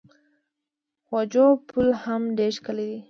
خواجو پل هم ډیر ښکلی دی.